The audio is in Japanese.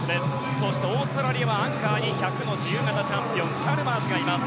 そして、オーストラリアはアンカーに１００ｍの自由形チャンピオンチャルマースがいます。